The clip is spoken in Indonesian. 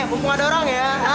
bukin ada orang ya